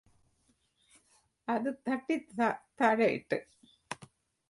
അത് തട്ടി താഴെയിട്ടു